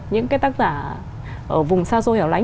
những cái tác giả ở vùng xa xô hẻo lánh